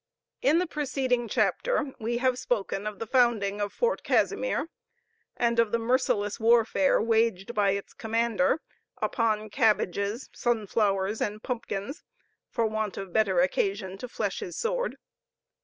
In the preceding chapter we have spoken of the founding of Fort Casimir, and of the merciless warfare waged by its commander upon cabbages, sunflowers, and pumpkins, for want of better occasion to flesh his sword.